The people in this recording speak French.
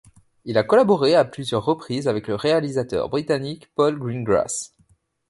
Il a collaboré à plusieurs reprises avec le réalisateur britannique Paul Greengrass.